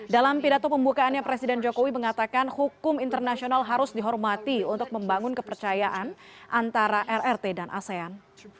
dalam pidato pembukaannya presiden jokowi mengatakan hukum internasional harus dihormati untuk membangun kepercayaan antara rrt dan asean